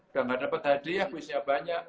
udah gak dapet hadiah quiznya banyak